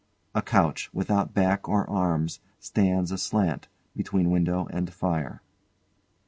A couch, without back or arms, stands aslant, between window and fire.